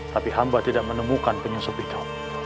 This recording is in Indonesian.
tapi hamba tidak menemukan penyusup hitam